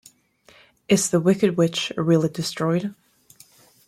Is the Wicked Witch really destroyed?